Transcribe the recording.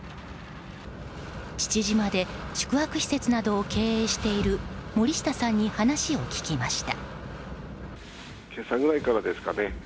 父島で宿泊施設などを経営している森下さんに話を聞きました。